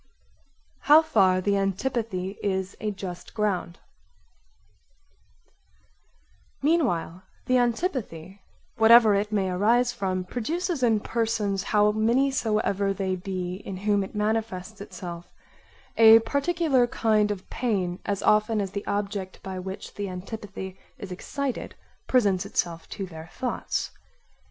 How far the antipathy is a just ground Meanwhile the antipathy, whatever it may arise from, produces in persons how many soever they be in whom it manifests itself, a particular kind of pain as often as the object by which the antipathy is excited presents itself to their thoughts.